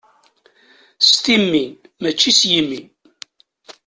S timmi, mačči s yimi.